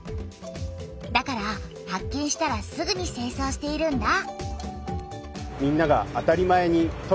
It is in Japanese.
だから発見したらすぐにせいそうしているんだ。